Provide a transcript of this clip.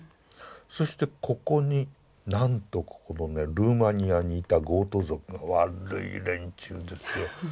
そしてここになんとここのねルーマニアにいたゴート族が悪い連中ですよ。